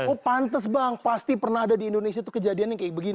oh pantes bang pasti pernah ada di indonesia tuh kejadiannya kayak begini